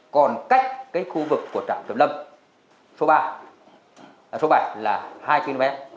còn cách khu vực của trạm kiểm lâm số ba số bảy là hai km